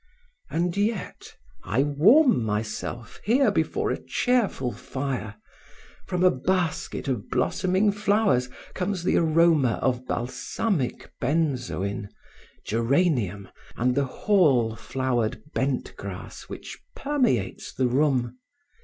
"And yet I warm myself, here before a cheerful fire. From a basket of blossoming flowers comes the aroma of balsamic benzoin, geranium and the whorl flowered bent grass which permeates the room.